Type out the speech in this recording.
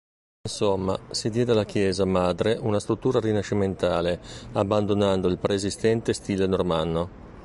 Insomma, si diede alla chiesa madre una struttura rinascimentale, abbandonando il preesistente stile normanno.